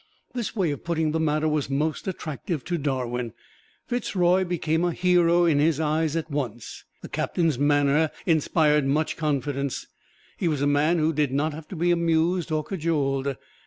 This way of putting the matter was most attractive to Darwin Fitz Roy became a hero in his eyes at once. The Captain's manner inspired much confidence he was a man who did not have to be amused or cajoled.